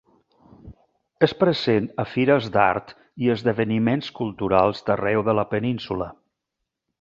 És present a fires d'art i esdeveniments culturals d'arreu de la península.